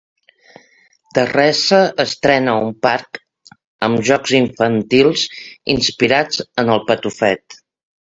Terrassa estrena un parc amb jocs infantils inspirats en El Patufet.